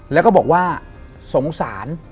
แล้วก็บอกว่าสงสาร